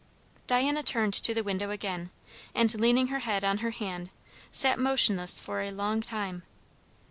Diana turned to the window again, and leaning her head on her hand, sat motionless for a long time.